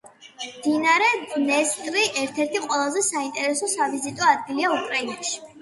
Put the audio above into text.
მდინარე დნესტრი ერთ-ერთი ყველაზე საინტერესო სავიზიტო ადგილია უკრაინაში.